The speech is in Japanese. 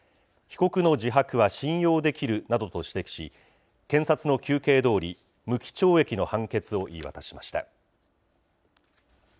被告の自白は信用できるなどと指摘し、検察の求刑どおり無期懲役の判決を言い渡しました。